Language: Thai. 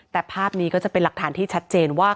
แต่ภาพนี้ก็จะเป็นหลักฐานที่ชัดเจนว่า